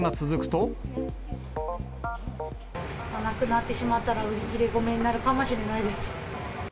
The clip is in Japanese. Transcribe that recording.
なくなってしまったら、売り切れごめんになるかもしれないです。